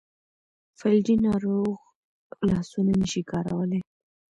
فلجي ناروغ لاسونه نشي کارولی.